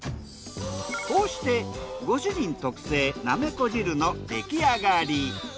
こうしてご主人特製なめこ汁の出来上がり。